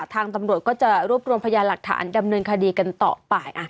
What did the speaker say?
ทางตำรวจก็จะรวบรวมพยานหลักฐานดำเนินคดีกันต่อไป